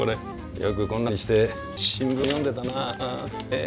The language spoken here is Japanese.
よくこんなふうにして新聞読んでたな。